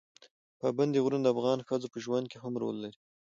پابندي غرونه د افغان ښځو په ژوند کې هم رول لري.